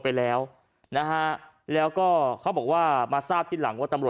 ไปแล้วนะฮะแล้วก็เขาบอกว่ามาทราบทีหลังว่าตำรวจ